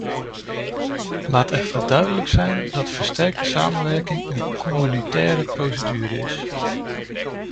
Laat echter duidelijk zijn dat versterkte samenwerking een communautaire procedure is.